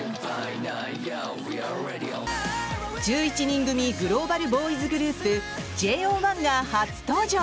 １１人組グローバルボーイズグループＪＯ１が初登場。